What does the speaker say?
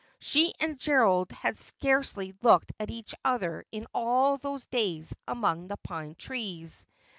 She and Gerald had scarcely looked at each other in all those days among the pine trees.